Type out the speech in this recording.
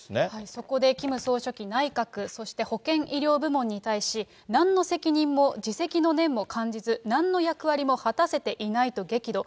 そこでキム総書記、内閣、そして保健医療部門に対し、なんの責任も、自責の念も感じず、なんの役割も果たせていないと激怒。